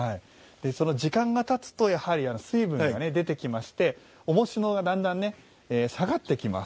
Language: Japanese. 時間がたつと、やはり水分が出てきましておもしのが、だんだん下がってきます。